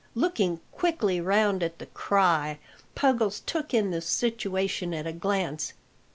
Looking quickly round at the cry, Puggles took in the situation at a glance.